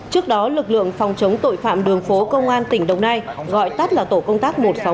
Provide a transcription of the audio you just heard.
trước đó lực lượng phòng chống tội phạm đường phố công an tỉnh đồng nai gọi tắt là tổ công tác một trăm sáu mươi ba